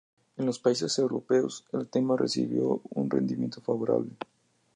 En los países europeos, el tema recibió un rendimiento favorable.